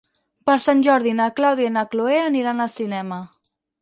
Per Sant Jordi na Clàudia i na Cloè aniran al cinema.